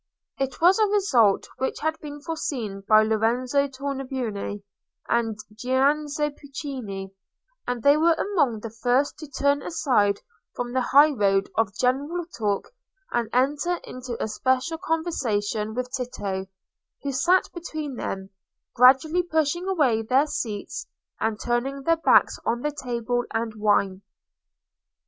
It was a result which had been foreseen by Lorenzo Tornabuoni and Giannozzo Pucci, and they were among the first to turn aside from the highroad of general talk and enter into a special conversation with Tito, who sat between them; gradually pushing away their seats, and turning their backs on the table and wine.